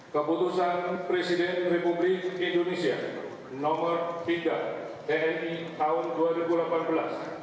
keputusan presiden republik indonesia nomor tiga tni tahun dua ribu delapan belas